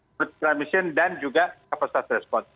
permisi dan juga kapasitas respons